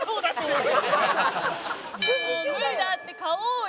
もう無理だって買おうよ。